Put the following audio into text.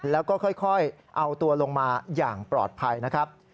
แล้วก็ค่อยเอาตัวลงมาอย่างปลอดภัยนะครับ